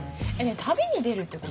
旅に出るってこと？